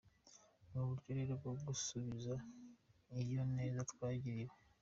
Ni uburyo rero bwo gusubiza iyo neza twagiriwe.